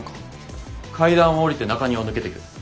階段を下りて中庭を抜けてく。